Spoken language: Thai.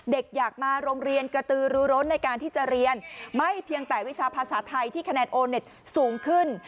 อยากมาโรงเรียนกระตือรูร้นในการที่จะเรียนไม่เพียงแต่วิชาภาษาไทยที่คะแนนโอเน็ตสูงขึ้น